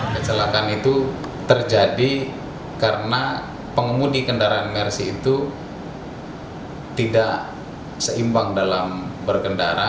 kecelakaan itu terjadi karena pengemudi kendaraan mercy itu tidak seimbang dalam berkendara